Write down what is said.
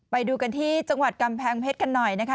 ไปดูกันที่จังหวัดกำแพงเพชรกันหน่อยนะคะ